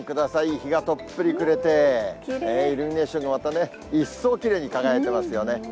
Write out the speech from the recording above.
日がとっぷり暮れてイルミネーションがまたね、一層きれいに輝いてますよね。